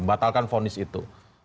membatalkan fonis itu